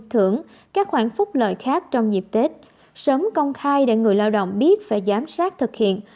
thưởng các khoản phúc lợi khác trong dịp tết sớm công khai để người lao động biết phải giám sát thực hiện